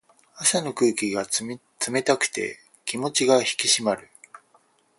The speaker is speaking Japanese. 朝の空気が冷たくて気持ちが引き締まる。